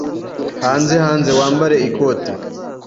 Hanze hanze. Wambare ikote.